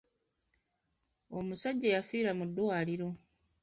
Omusajja yafiira mu ddwaliro.